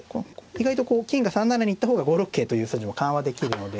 意外とこう金が３七に行った方が５六桂という筋も緩和できるので。